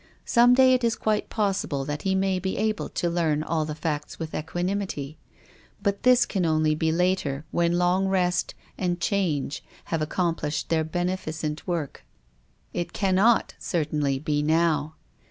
Some day it is quite pos sible that he may be able to learn all the facts with equanimity, l^ut this can only be later when long rest and change have accomplished their beneficent work. It cannot certainly be now.